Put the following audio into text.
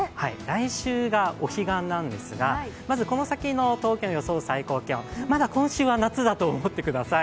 来週がお彼岸なんですが、この先の東京の最高気温、まだ今週は夏だと思ってください。